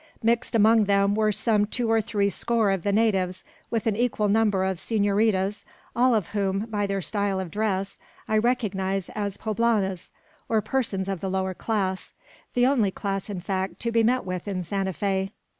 Mixed among them were some two or three score of the natives, with an equal number of senoritas, all of whom, by their style of dress, I recognise as poblanas, or persons of the lower class, the only class, in fact, to be met with in Santa Fe.